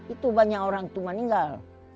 itu banyak orang itu meninggal